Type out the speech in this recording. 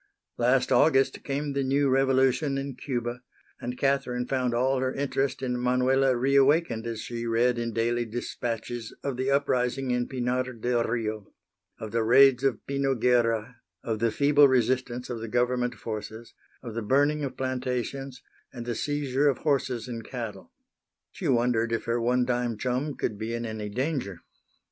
Last August came the new revolution in Cuba, and Catherine found all her interest in Manuela reawakened as she read in daily dispatches of the uprising in Pinar del Rio, of the raids of Pino Guerra, of the feeble resistance of the Government forces, of the burning of plantations and the seizure of horses and cattle. She wondered if her one time chum could be in any danger.